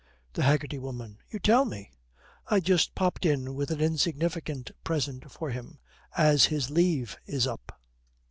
THE HAGGERTY WOMAN. 'You tell me! I just popped in with an insignificant present for him, as his leave is up.'